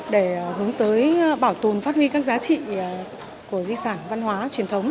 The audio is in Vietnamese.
để hướng tới bảo tồn phát huy các giá trị của di sản văn hóa truyền thống